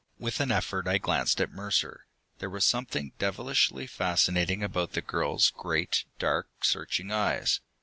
With an effort I glanced at Mercer. There was something devilishly fascinating about the girl's great, dark, searching eyes.